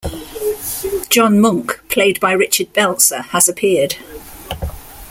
John Munch, played by Richard Belzer, has appeared.